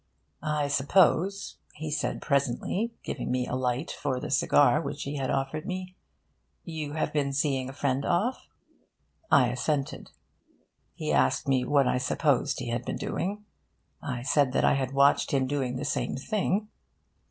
'I suppose,' he said presently, giving me a light for the cigar which he had offered me, 'you have been seeing a friend off?' I assented. He asked me what I supposed he had been doing. I said that I had watched him doing the same thing.